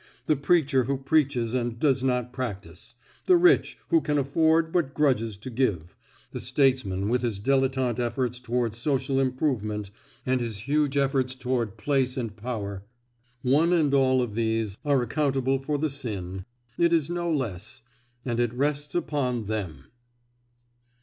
The preacher who preaches and does not practise; the rich who can afford, but grudges to give; the statesman with his dilettante efforts towards social improvement, and his huge efforts towards place and power one and all of these are accountable for the sin. It is no less, and it rests upon them.